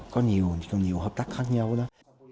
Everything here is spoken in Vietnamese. có nhiều nhiều hợp tác khác nhau đó